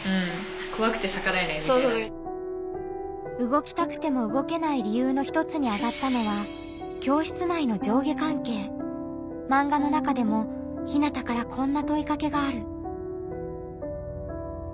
動きたくても動けない理由の一つにあがったのはマンガの中でもひなたからこんなといかけがある。